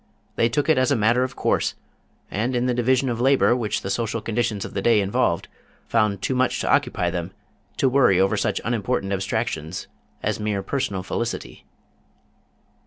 They took it as a matter of course, and in the division of labor which the social conditions of the day involved, found too much to occupy them to worry over such unimportant abstractions as mere personal felicity.